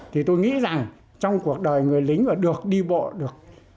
thì tôi nghĩ rằng trong cuộc đời người lính được đi bộ